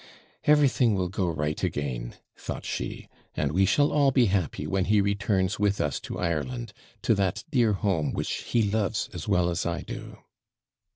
'Everything will go right again,' thought she, 'and we shall all be happy, when he returns with us to Ireland to that dear home which he loves as well as I do!'